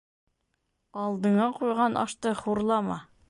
Алдыңа ҡуйған ашты хурлама.